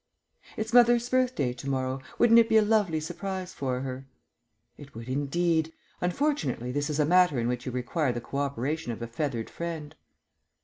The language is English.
"It's mother's birthday to morrow. Wouldn't it be a lovely surprise for her?" "It would, indeed. Unfortunately this is a matter in which you require the co operation of a feathered friend."